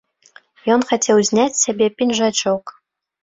Ён хацеў зняць з сябе пінжачок.